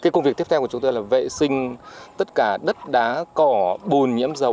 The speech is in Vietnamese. công việc tiếp theo của chúng tôi là vệ sinh tất cả đất đá cỏ bùn nhiễm dầu